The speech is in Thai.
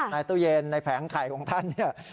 ตู้เย็นในแผงไข่ของท่านเนี่ย